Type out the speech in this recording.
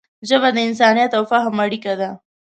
ژبه د انسانیت او فهم اړیکه ده